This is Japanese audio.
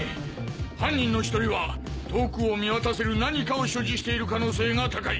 犯人の１人は遠くを見渡せる何かを所持している可能性が高い。